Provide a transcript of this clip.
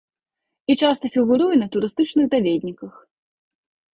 І часта фігуруе на турыстычных даведніках.